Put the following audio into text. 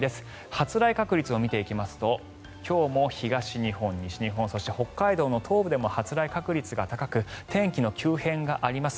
発雷確率を見ていきますと今日も東日本、西日本そして北海道の東部でも発雷確率が高く天気の急変があります。